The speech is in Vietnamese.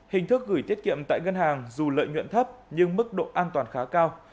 hình thức gửi tiết kiệm tại ngân hàng dù lợi nhuận thấp nhưng mức độ an toàn khá cao